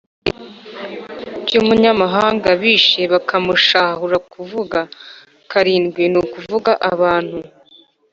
by’umunyamahanga bishe bakamushahura kuvuga karindwi ni ukuvuga abantu